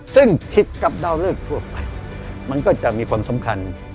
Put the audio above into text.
ซึ่งผิดกับดาวเลิกทั่วไปมันก็จะมีความสำคัญ